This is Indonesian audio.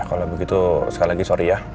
kalau begitu sekali lagi sorry ya